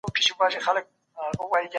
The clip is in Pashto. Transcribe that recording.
د حج په مابينځ کي مي خپلي بېلګې ولیدې.